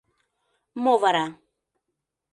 Мо вара?